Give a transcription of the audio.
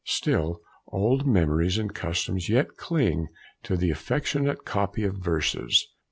Still old memories and customs yet cling to the "Affectionate Copy of Verses."